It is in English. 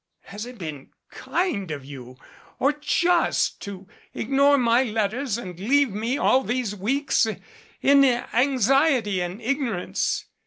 Has it been kind of you, or just, to ignore my letters and leave me all these weeks in anxiety and ignorance?